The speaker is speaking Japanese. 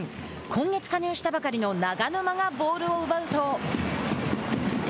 今月加入したばかりの長沼がボールを奪うと。